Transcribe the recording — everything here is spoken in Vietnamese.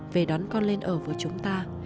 về đón con lên ở với chúng ta